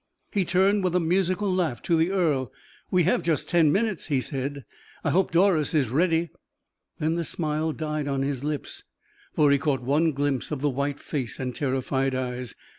He turned with a musical laugh to the earl. "We have just ten minutes," he said. "I hope Doris is ready." Then the smile died on his lips, for he caught one glimpse of the white face and terrified eyes.